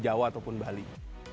jawa ataupun bali